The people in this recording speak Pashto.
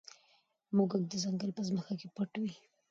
موږک د ځنګل په ځمکه کې پټ وي.